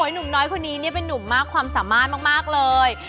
หนุ่มน้อยคนนี้เป็นนุ่มมากความสามารถมากเลย